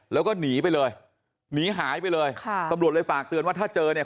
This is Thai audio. แล้วก็หนีไปเลยหนีหายไปเลยค่ะตำรวจเลยฝากเตือนว่าถ้าเจอเนี่ย